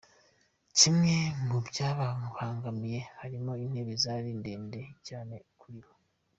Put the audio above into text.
Kimwe mu byababangamiye harimo intebe zari ndende cyane kuri bo.